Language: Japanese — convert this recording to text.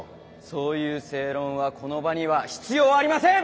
そういう正論はこの場には必要ありません！